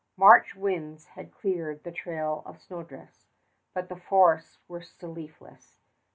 March winds had cleared the trail of snowdrifts, but the forests were still leafless.